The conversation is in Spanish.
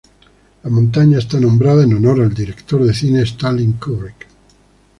La montaña está nombrada en honor al director de cine Stanley Kubrick.